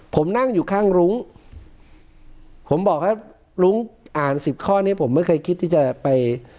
ผมนั่งอยู่ข้างรุ้งผมบอกให้รุ้งอ่านสิบข้อนี้ผมไม่เคยคิดที่จะไป